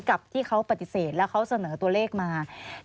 กับที่เขาปฏิเสธแล้วเขาเสนอตัวเลขมา